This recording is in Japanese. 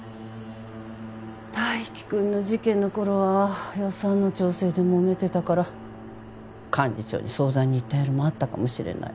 泰生君の事件の頃は予算の調整でもめてたから幹事長に相談に行った夜もあったかもしれない。